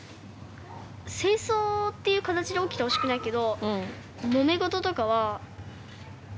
戦争っていう形で起きてほしくないけどもめ事とかはあっていいと思って。